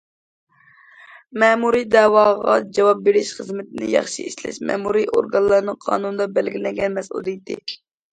مەمۇرىي دەۋاغا جاۋاب بېرىش خىزمىتىنى ياخشى ئىشلەش مەمۇرىي ئورگانلارنىڭ قانۇندا بەلگىلەنگەن مەسئۇلىيىتى.